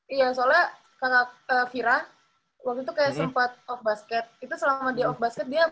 itu selama dia off basket dia